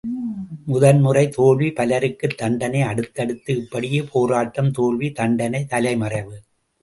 முதன் முறை தோல்வி, பலருக்குத் தண்டனை அடுத்தடுத்து இப்படியே, போராட்டம், தோல்வி, தண்டனை, தலை மறைவு.